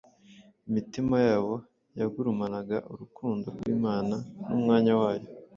Imitima yabo yagurumanaga urukundo rw’Imana n’Umwana wayo,